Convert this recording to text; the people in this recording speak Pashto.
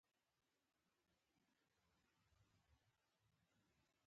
طبیعي احساس دی، خو دا اجازه مه ورکوه